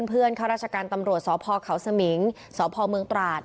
เพื่อนเข้าราชการตำรวจสภเขาสมิงสภเมืองตราด